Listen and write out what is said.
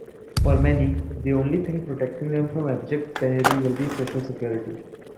For many, the only thing protecting them from abject penury will be Social Security.